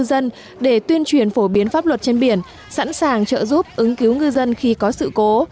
dân để tuyên truyền phổ biến pháp luật trên biển sẵn sàng trợ giúp ứng cứu ngư dân khi có sự cố